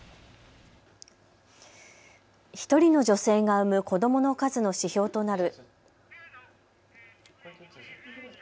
１人の女性が産む子どもの数の指標となる。